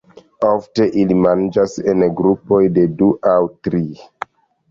Ofte ili manĝas en grupoj de du aŭ tri.